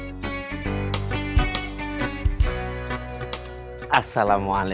jangan cari penyakit lah